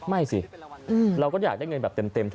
ไม่สิเราก็อยากได้เงินแบบเต็ม